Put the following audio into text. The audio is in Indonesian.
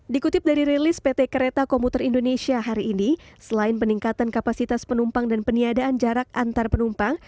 dikutip dari rilis pt kereta komuter indonesia hari ini selain peningkatan kapasitas penumpang dan peniadaan jarak antar penumpang